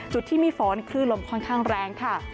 จุดที่มีฝนคลื่นลมค่อนข้างแรงค่ะ